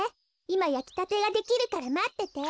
いまやきたてができるからまってて。